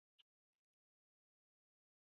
宽政九年。